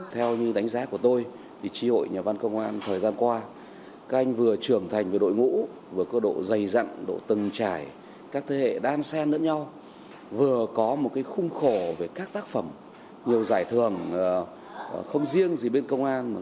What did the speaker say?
theo như đánh giá của tôi tri hội nhà văn công an thời gian qua các anh vừa trưởng thành về đội ngũ vừa có độ dày dặn độ từng trải các thế hệ đan sen lẫn nhau vừa có một khung khổ về các tác phẩm nhiều giải thưởng không riêng gì bên công an